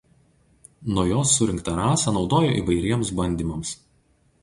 Nuo jos surinktą rasą naudojo įvairiems bandymams.